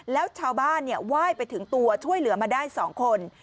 แล้วชาวบ้านไหว้ไปถึงตัวช่วยเหลือมาได้๒คน